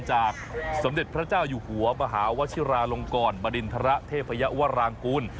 จากสมเด็จพระเจ้าอยู่หัวมหาวชิราลงกรบริณฑระเทพยวรางกูล